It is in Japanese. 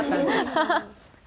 ハハハハ！